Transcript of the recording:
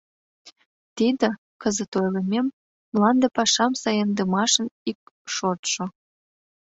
Тиде, кызыт ойлымем, — мланде пашам саемдымашын ик шотшо.